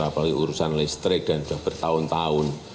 apalagi urusan listrik dan sudah bertahun tahun